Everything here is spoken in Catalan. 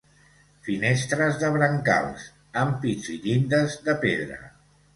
Finestres de brancals, ampits i llindes de pedra.